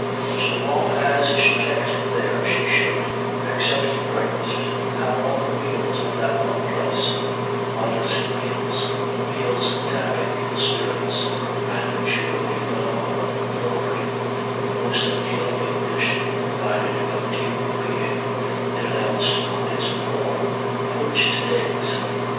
So long as she kept him there she should, except breakfast, have all her meals in that one place: modest meals, meals damping to the spirits and surely in the long run lowering, the most inflaming dish provided by the tea room being it announced it on its wall poached eggs.